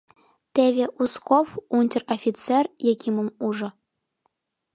Теве Узков унтер-офицер Якимым ужо.